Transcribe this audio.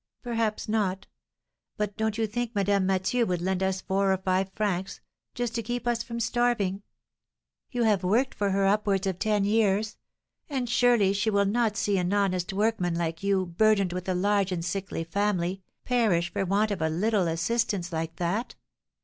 "Perhaps not. But don't you think Madame Mathieu would lend us four or five francs, just to keep us from starving? You have worked for her upwards of ten years; and surely she will not see an honest workman like you, burthened with a large and sickly family, perish for want of a little assistance like that?"